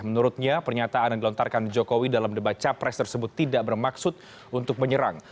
menurutnya pernyataan yang dilontarkan jokowi dalam debat capres tersebut tidak bermaksud untuk menyerang